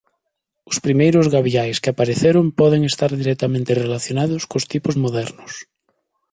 Os primeiros gaviais que apareceron poden estar directamente relacionados cos tipos modernos.